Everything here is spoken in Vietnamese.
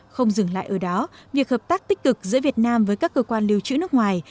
không dừng lại ở đó việc hợp tác tích cực giữa việt nam với các cơ quan lưu trữ nước ngoài